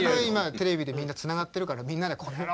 テレビでみんなつながってるからみんなで「この野郎！」